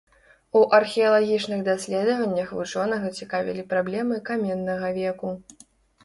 У археалагічных даследаваннях вучонага цікавілі праблемы каменнага веку.